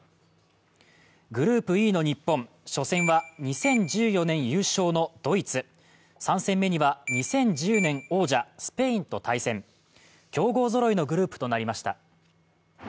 グループＥの日本、初戦は２０１４年優勝のドイツ、３戦目には、２０１０年王者スペインと対戦。強豪ぞろいのグループとなりました。